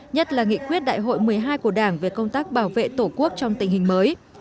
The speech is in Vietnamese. nhất là nghị quyết đại hội một mươi hai của đảng về công tác bảo vệ tổ quốc trong tình hình mới